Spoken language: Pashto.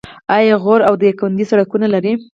آیا غور او دایکنډي سړکونه لري؟